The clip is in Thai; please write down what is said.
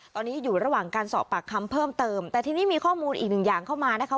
ตอนนี้อยู่ระหว่างการสอบปากคำเพิ่มเติมแต่ทีนี้มีข้อมูลอีกหนึ่งอย่างเข้ามานะคะ